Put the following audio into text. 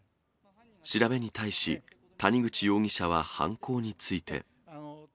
調べに対し、谷口容疑者は犯行について。